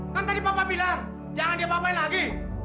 kan tadi papa bilang jangan dia apa apain lagi